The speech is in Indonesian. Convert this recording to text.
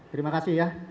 terima kasih ya